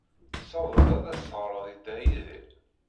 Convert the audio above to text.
Tessawḍed ad as-teɣred i Dda Yidir?